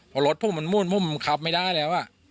พอรถผมมันมุ่นมันขับไม่ได้แล้ว